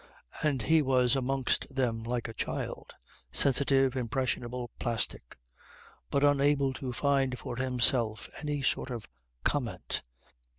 And he was amongst them like a child, sensitive, impressionable, plastic but unable to find for himself any sort of comment.